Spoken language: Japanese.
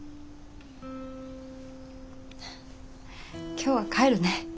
今日は帰るね。